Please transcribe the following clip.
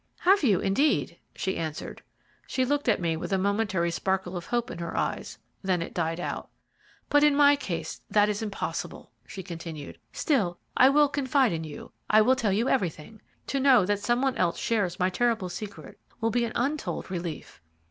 "Have you, indeed?" she answered. She looked at me with a momentary sparkle of hope in her eyes; then it died out. "But in my case that is impossible," she continued. "Still, I will confide in you; I will tell you everything. To know that some one else shares my terrible secret will be an untold relief."